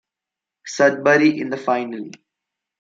Sudbury in the final.